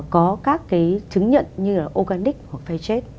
có các cái chứng nhận như là organic hoặc phê chết